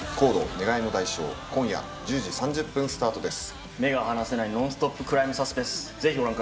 願いの代償ー、今夜１０時３０分スタートです。